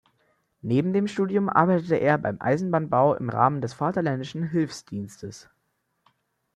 Neben dem Studium arbeitete er beim Eisenbahnbau im Rahmen des Vaterländischen Hilfsdienstes.